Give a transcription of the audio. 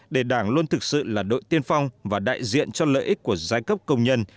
để đảng luôn thực sự là đội tiên phong và đại diện cho lợi ích của giai cấp công nhân